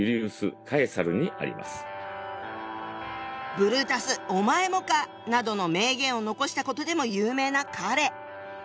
「ブルータスお前もか」などの名言を残したことでも有名な彼。